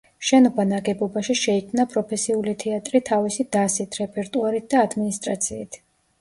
შენობა ნაგებობაში შეიქმნა პროფესიული თეატრი თავისი დასით, რეპერტუარით და ადმინისტრაციით.